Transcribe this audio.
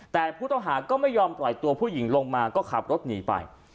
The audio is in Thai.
แต่ผู้ต้องหาก็ไม่ยอมปล่อยตัวผู้หญิงลงมาก็ขับรถหนีไป